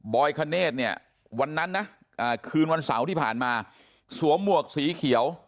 อยคเนธเนี่ยวันนั้นนะคืนวันเสาร์ที่ผ่านมาสวมหมวกสีเขียว